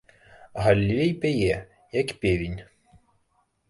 Галілей пяе, як певень.